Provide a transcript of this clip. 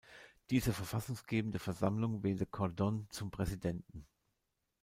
Diese verfassungsgebende Versammlung wählte Cordón zum Präsidenten.